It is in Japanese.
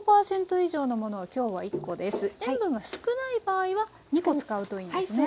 塩分が少ない場合は２コ使うといいんですね。